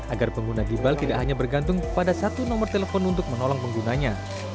agar pengguna gibal tidak hanya bergantung pada satu nomor telepon untuk menolong penggunanya